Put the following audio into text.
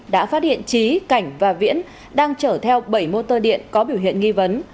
đã phát hiện trí cảnh và viễn đang chở theo bảy mô tơ điện có biểu hiện nghi vấn